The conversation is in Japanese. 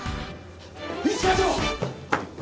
一課長！